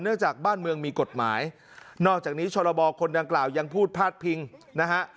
จากบ้านเมืองมีกฎหมายนอกจากนี้ชรบคนดังกล่าวยังพูดพาดพิงนะฮะ